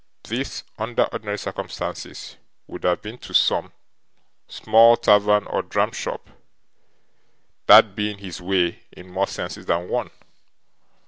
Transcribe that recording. This, under ordinary circumstances, would have been to some small tavern or dram shop; that being his way, in more senses than one.